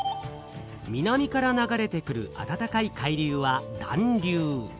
南から流れてくるあたたかい海流は「暖流」。